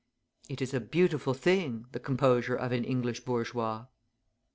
It is a beautiful thing, the composure of an English bourgeois.